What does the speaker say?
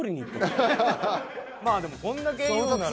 まあでもこんだけ言うんなら。